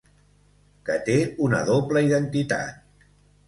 Que té una doble identitat.